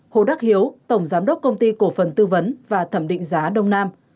hồ đắc hiếu tổng giám đốc công ty cổ phần tư vấn và thẩm định giá đông nam